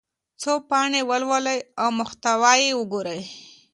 څو پاڼې ولولئ او محتوا یې وګورئ.